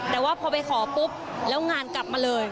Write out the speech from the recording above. แต่ว่าพอไปขอปุ๊บแล้วงานกลับมาเลย